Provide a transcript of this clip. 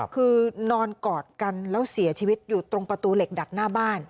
คือนอนกอดกันแล้วเสียชีวิตอยู่ตรงประตูเหล็กดัดหน้าบ้าน